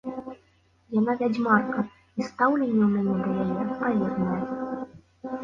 Яна вядзьмарка, і стаўленне ў мяне да яе адпаведнае.